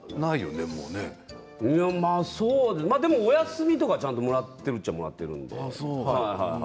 でも、まあお休みとかちゃんともらっているっちゃあもらっているんで。